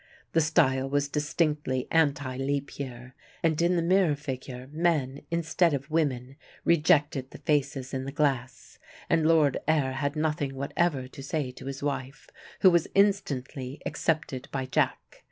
The style was distinctly anti Leap year and in the mirror figure men, instead of women, rejected the faces in the glass, and Lord Ayr had nothing whatever to say to his wife, who was instantly accepted by Jack.